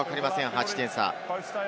８点差。